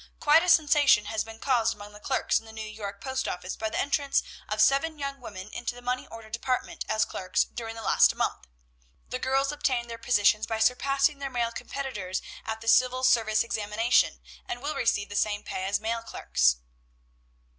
"'Quite a sensation has been caused among the clerks in the New York post office by the entrance of seven young women into the money order department as clerks during the last month. The girls obtained their positions by surpassing their male competitors at the civil service examination, and will receive the same pay as male clerks.'